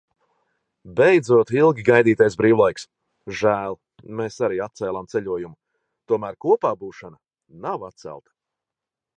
Beidzot ilgi gaidītais brīvlaiks. Žēl, mēs arī atcēlām ceļojumu. Tomēr kopā būšana nav atcelta.